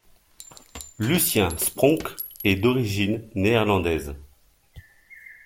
Lucien Spronck est d'origine néerlandaise.